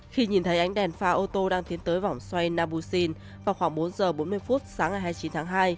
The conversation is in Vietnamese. khi nhìn thấy ánh đèn pha ô tô đang tiến tới vòng xoay nabuxin vào khoảng bốn h bốn mươi phút sáng ngày hai mươi chín tháng hai